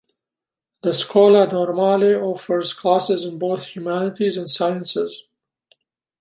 The Scuola Normale offers classes in both humanities and sciences.